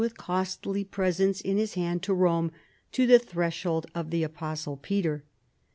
li costl}' presents in his hand to liome, " to the tbresii old of the apostle Peter."